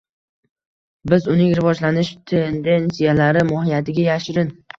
- biz uning rivojlanish tendensiyalari mohiyatiga yashirin